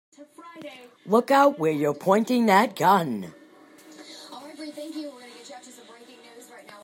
Look out where you're pointing that gun!